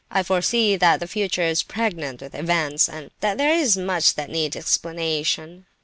I foresee that the future is pregnant with events, and that there is much that needs explanation.